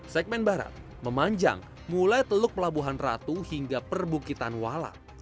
segmen barat memanjang mulai teluk pelabuhan ratu hingga perbukitan walau